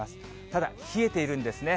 ただ冷えているんですね。